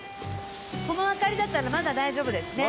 この明かりだったらまだ大丈夫ですね。